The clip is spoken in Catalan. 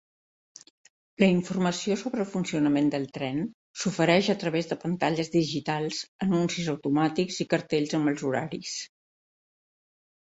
La informació sobre el funcionament del tren s'ofereix a través de pantalles digitals, anuncis automàtics i cartells amb els horaris.